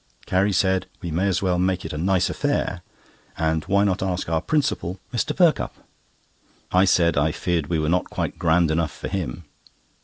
Carrie said we may as well make it a nice affair, and why not ask our principal, Mr. Perkupp? I said I feared we were not quite grand enough for him.